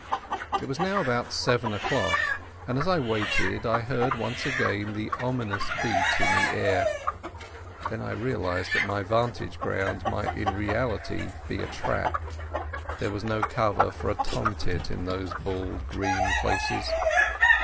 It was now about seven o'clock, and as I waited I heard once again that ominous beat in the air. Then I realized that my vantage ground might be in reality a trap. There was no cover for a tomtit in those bald green places.